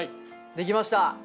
できました！